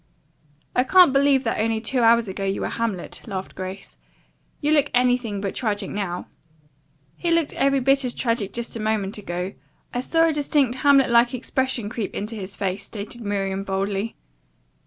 "I can't believe that only two hours ago you were 'Hamlet,'" laughed Grace. "You look anything but tragic now." "He looked every bit as tragic just a moment ago. I saw a distinct Hamlet like expression creep into his face," stated Miriam boldly.